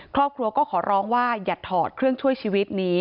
ครอบครัวก็ขอร้องว่าอย่าถอดเครื่องช่วยชีวิตนี้